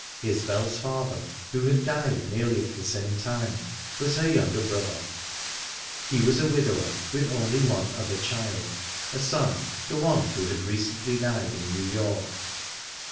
Isbel's father, who had died nearly at the same time, was her younger brother. He was a widower, with only one other child, a son the one who had recently died in New York.